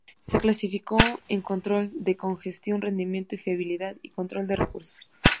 Los clasificó en control de congestión, rendimiento, fiabilidad y control de recursos.